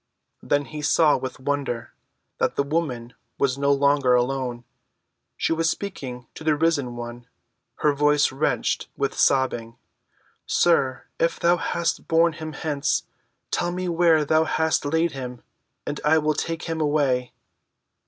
Then he saw with wonder that the woman was no longer alone. She was speaking to the Risen One, her voice wrenched with sobbing: "Sir, if thou hast borne him hence, tell me where thou hast laid him, and I will take him away."